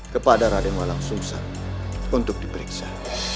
kepada raden walang sumsel untuk diperiksa